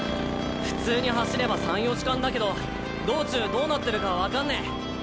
普通に走れば３４時間だけど道中どうなってるか分かんねぇ。